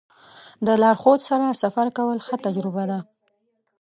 د لارښود سره سفر کول ښه تجربه ده.